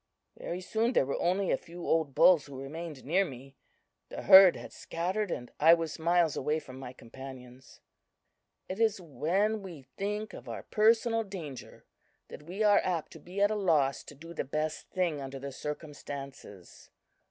Very soon there were only a few old bulls who remained near me. The herd had scattered, and I was miles away from my companions. "It is when we think of our personal danger that we are apt to be at a loss to do the best thing under the circumstances.